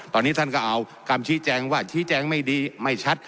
ตอนนี้ท่านก็เอาคำชี้แจงว่าชี้แจงไม่ดีไม่ชัด